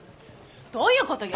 どういうことよ？